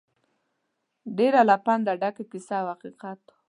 ډېره له پنده ډکه کیسه او حقیقت وه.